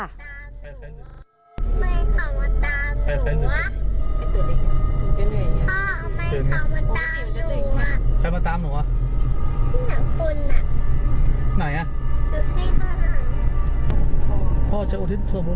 ไม่เขามาตามหนูพ่อไม่เขามาตามหนู